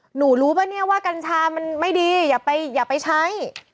หนูรู้ป่ะเนี่ยว่ากัญชามันไม่ดีอย่าไปใช้